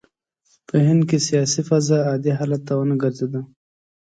په هند کې سیاسي فضا عادي حال ته ونه ګرځېده.